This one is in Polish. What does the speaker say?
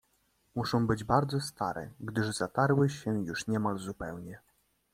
"Muszą być bardzo stare, gdyż zatarły się już niemal zupełnie."